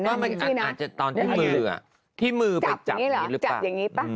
อาจจะตอนที่มือที่มือไปจับนี่หรือเปล่า